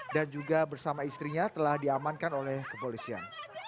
dan juga bersama istrinya telah diamankan oleh kepolisian